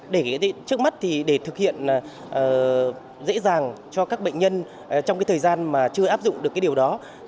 để thực hiện dễ dàng cho các bệnh nhân trong thời gian mà chưa áp dụng được điều đó